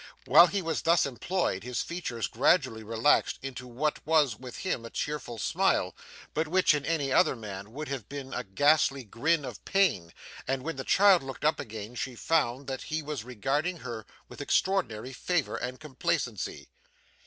While he was thus employed his features gradually relaxed into what was with him a cheerful smile, but which in any other man would have been a ghastly grin of pain, and when the child looked up again she found that he was regarding her with extraordinary favour and complacency.